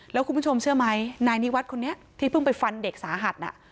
แล้วคุณผู้ชมเชื่อไหมนายนิวัฒน์คนนี้ที่เพิ่งไปฟันเด็กสาหัส